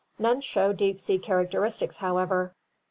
None show deep sea characteristics, however.